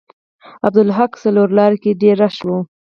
عبدالحق څلور لارې کې ډیر رش و.